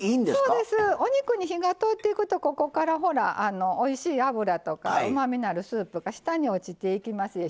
そうですお肉に火が通っていくとここからほらおいしい脂とかうまみのあるスープが下に落ちていきますでしょ。